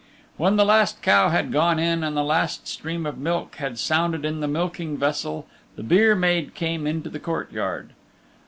When the last cow had gone in and the last stream of milk had sounded in the milking vessel the byre maid came into the courtyard.